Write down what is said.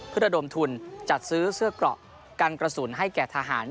เพื่อระดมทุนจัดซื้อเสื้อเกราะกันกระสุนให้แก่ทหาร